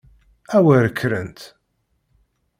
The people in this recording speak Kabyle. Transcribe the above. A wer kkrent!